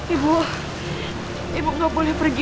ibu ibu nggak boleh pergi